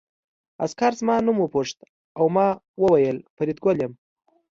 عسکر زما نوم وپوښت او ما وویل فریدګل یم